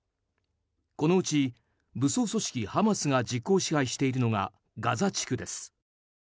このうち武装組織ハマスが実効支配しているのがガザ地区です。